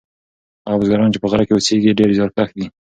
هغه بزګران چې په غره کې اوسیږي ډیر زیارکښ دي.